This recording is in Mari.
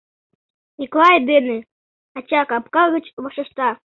— Миклай дене... — ача капка гыч вашешта.